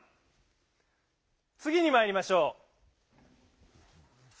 つぎにまいりましょう。